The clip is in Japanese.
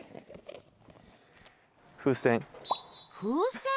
風船。